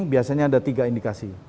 biasanya ada tiga indikasi